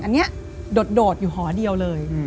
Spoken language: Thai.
อันนี้โดดอยู่หอเดียวเลย